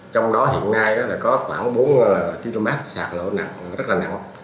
trong đó hiện ngay có khoảng bốn km sạc lỗ nặng rất là nặng